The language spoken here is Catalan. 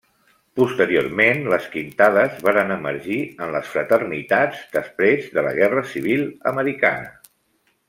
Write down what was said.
Posteriorment, les quintades varen emergir en les fraternitats després de la Guerra Civil americana.